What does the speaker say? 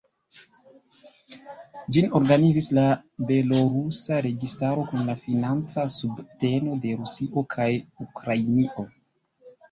Ĝin organizis la belorusa registaro kun la financa subteno de Rusio kaj Ukrainio.